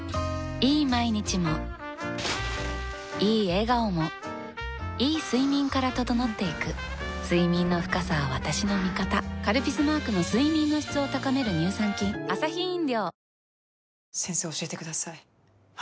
いい毎日もいい笑顔もいい睡眠から整っていく睡眠の深さは私の味方「カルピス」マークの睡眠の質を高める乳酸菌・チーン